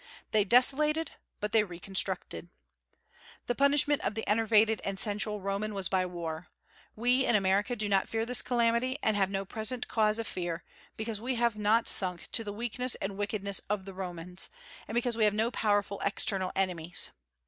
They desolated, but they reconstructed. The punishment of the enervated and sensual Roman was by war. We in America do not fear this calamity, and have no present cause of fear, because we have not sunk to the weakness and wickedness of the Romans, and because we have no powerful external enemies.